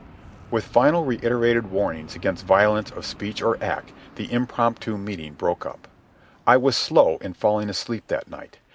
With final reiterated warnings against violence of speech or act, the impromptu meeting broke up. I was slow in falling asleep that night.